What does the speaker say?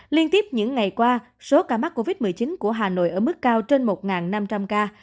liên tiếp những ngày qua số ca mắc covid một mươi chín của hà nội ở mức cao trên một năm trăm linh ca